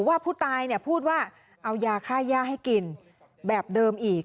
ว่าผู้ตายพูดว่าเอายาค่าย่าให้กินแบบเดิมอีก